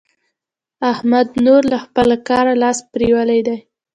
احمد نور له خپله کاره لاس پرېولی دی.